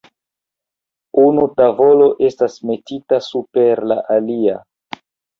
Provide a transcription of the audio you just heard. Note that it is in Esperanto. Unu tavolo estas metita super la alia.